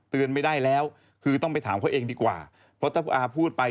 ไม่ได้แล้วคือต้องไปถามเขาเองดีกว่าเพราะถ้าอาพูดไป